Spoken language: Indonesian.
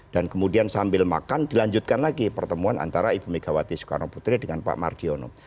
dan kemudian sambil makan dilanjutkan lagi pertemuan antara ibu megawati soekarno putri dengan pak mardiono